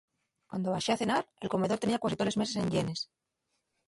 Cuando baxé a cenar, el comedor tenía cuasi toles meses enllenes.